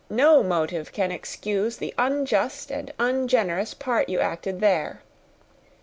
No motive can excuse the unjust and ungenerous part you acted there.